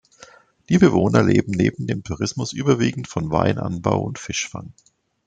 Die Bewohner leben neben dem Tourismus überwiegend von Weinanbau und Fischfang.